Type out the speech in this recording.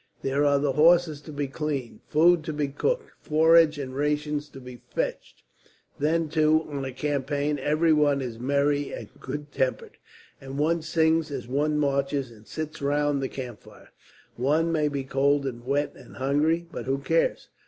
There are the horses to be cleaned, food to be cooked, forage and rations to be fetched. Then, too, on a campaign every one is merry and good tempered, and one sings as one marches and sits round the campfire. One may be cold and wet and hungry, but who cares?